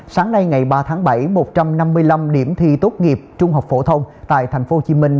sáng nay ngày ba tháng bảy một trăm năm mươi năm điểm thi tốt nghiệp trung học phổ thông tại thành phố hồ chí minh